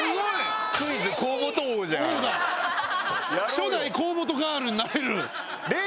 初代河本ガールになれる。